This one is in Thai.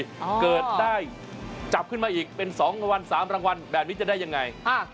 เกิดได้จับขึ้นมาอีกเป็น๒รางวัล๓รางวัลแบบนี้จะได้ยังไง